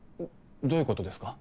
どういうことですか？